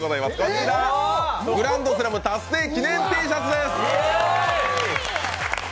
こちら、グランドスラム達成Ｔシャツです！